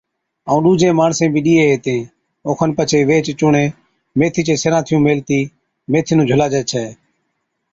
ائُون ڏُوجين ماڻسين بِي ڏيئَي ھِتين۔ اوکن پڇي ويھِچ چُونڻين ميٿي چي سِرھانٿِيُون ميھلتِي ميٿي نُون جھُلاجي ڇَي